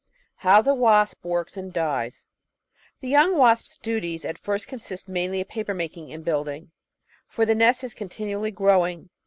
How the Wasp Works and Dies The young wasp's duties at first consist mainly of paper making and building, for the nest is continually growing.